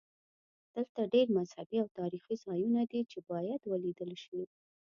دلته ډېر مذهبي او تاریخي ځایونه دي چې باید ولیدل شي.